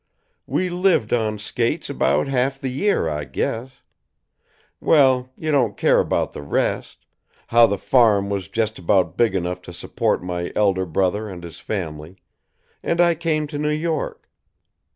We lived on skates about half the year, I guess. Well you don't care about the rest; how the farm was just about big enough to support my elder brother and his family, and I came to New York.